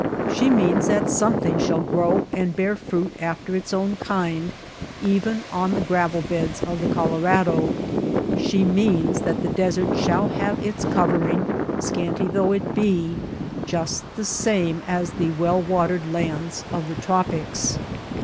She means that something shall grow and bear fruit after its kind even on the gravel beds of the Colorado ; she means that the desert shall have its covering, scanty though it be, just the same as the well watered lands of the tropics.